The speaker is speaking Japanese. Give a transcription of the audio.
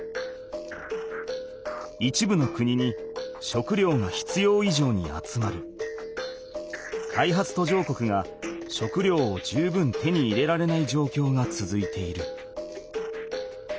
一部の国に食料が必要いじょうに集まり開発途上国が食料を十分手に入れられないじょうきょうがつづいている。